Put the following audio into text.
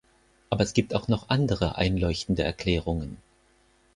Aber es gibt auch noch andere einleuchtende Erklärungen.